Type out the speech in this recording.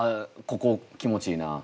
ここ気持ちいいな。